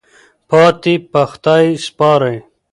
پاتې په خدای سپارئ.